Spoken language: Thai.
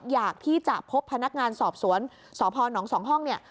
อยากที่จะพบพนักงานสอบสวนสอบฮหนองสองห้องเนี่ย